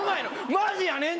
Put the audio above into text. マジやねんって！